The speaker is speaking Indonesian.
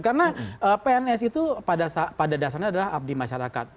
karena pns itu pada dasarnya adalah abdi masyarakat